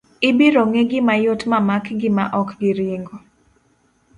Ibiro ng'egi mayot ma makgi ma ok giringo.